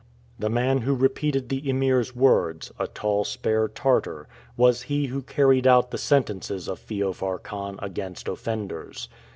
The man who repeated the Emir's words a tall spare Tartar was he who carried out the sentences of Feofar Khan against offenders.